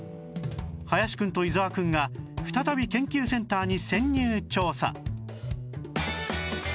林くんと伊沢くんが再び研究センターに潜入調査